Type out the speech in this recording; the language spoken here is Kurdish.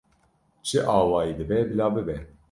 Çi awayî dibe bila bibe